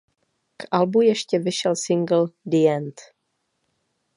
K albu ještě vyšel singl „The End“.